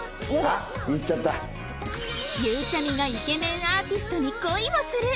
ゆうちゃみがイケメンアーティストに恋をする